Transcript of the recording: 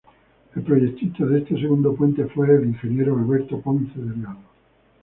El proyectista de este segundo puente fue el Ing. Alberto Ponce Delgado.